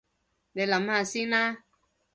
你諗下先啦